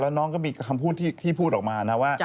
น้องก็มีคำพูดที่พูดออกมานะว่า